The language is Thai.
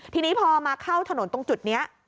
ทีนี้พอมาเข้าถนนตรงจุดนี้